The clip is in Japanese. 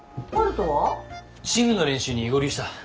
チームの練習に合流した。